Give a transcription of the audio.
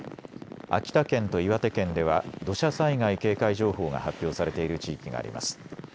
秋田県と岩手県では土砂災害警戒情報が発表されている地域があります。